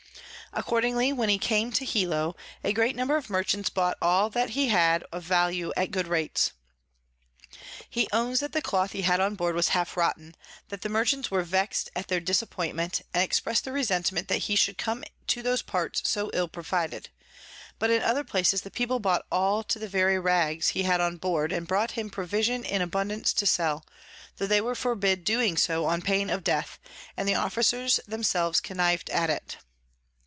Accordingly, when he came to Hilo, a great number of Merchants bought all that he had of Value at good rates. He owns that the Cloth he had on board was half rotten, that the Merchants were vex'd at their Disappointment, and express'd their Resentment that he should come to those parts so ill provided: but in other places the People bought all to the very Rags he had on board, and brought him Provisions in abundance to sell, tho they were forbid doing so on pain of Death; and the Officers themselves conniv'd at it.